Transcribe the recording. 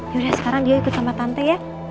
yaudah sekarang dia ikut sama tante ya